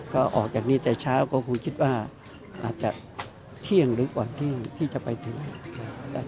ก็ออกจากนี้แต่เช้าก็คงคิดว่าอาจจะเที่ยงหรือก่อนที่จะไปถึง